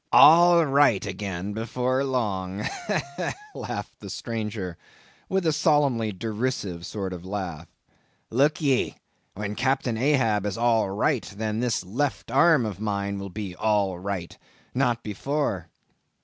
"All right again before long!" laughed the stranger, with a solemnly derisive sort of laugh. "Look ye; when Captain Ahab is all right, then this left arm of mine will be all right; not before."